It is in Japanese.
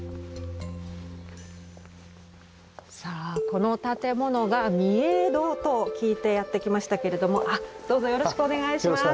この建物が御影堂と聞いてやって来ましたけれどもあっどうぞよろしくお願いします。